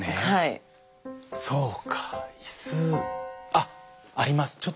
あっあります。